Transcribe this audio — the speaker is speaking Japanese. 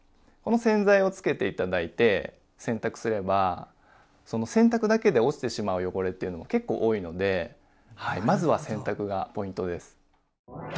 この洗剤をつけて頂いて洗濯すればその洗濯だけで落ちてしまう汚れっていうのも結構多いのでまずは洗濯がポイントです。